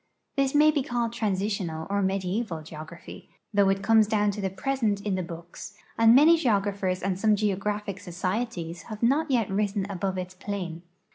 This ma}' he called transitional or medieval geography, though it comes down to the present in the books, and many geographers and some geographic societies have not yet risen above its plane.